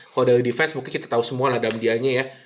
kalau dari defense mungkin kita tahu semua lah damm dia nya ya